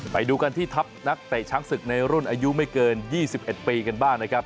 ไปดูกันที่ทัพนักเตะช้างศึกในรุ่นอายุไม่เกิน๒๑ปีกันบ้างนะครับ